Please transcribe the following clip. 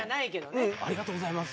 「ありがとうございます！